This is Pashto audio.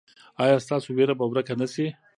ایا ستاسو ویره به ورکه نه شي؟